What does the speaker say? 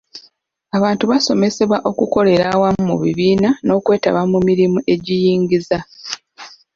Abantu baasomesebwa okukolera awamu mu bibiina n'okwetaba mu mirimu egiyingiza